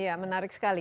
iya menarik sekali